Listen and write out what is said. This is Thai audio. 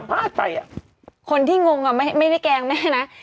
ถ้าคนที่งงก็อย่าแกล้งแม่นะ